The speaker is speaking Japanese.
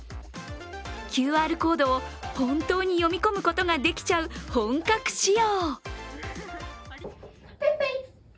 ＱＲコードを本当に読み込むことができちゃう本格仕様。